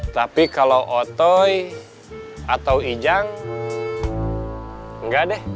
tapi kalau otoy atau ijang nggak deh